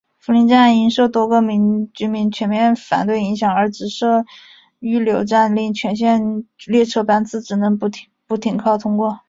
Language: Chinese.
福邻站因受多个居民全面反对影响而只会设预留站令全线列车班次只能不停靠通过。